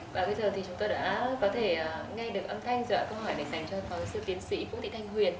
và bây giờ thì chúng ta đã có thể nghe được âm thanh dựa câu hỏi này dành cho phóng sư tiến sĩ phúc thị thanh huyền